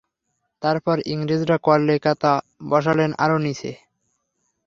তার পর ইংরেজরা কলকেতা বসালেন আরও নীচে।